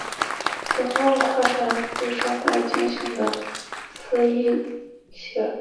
东望跨坐黯影山脉山肩的米那斯伊希尔。